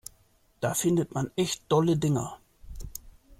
Da findet man echt dolle Dinger.